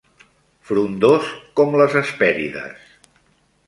Frondós, com les Hespèrides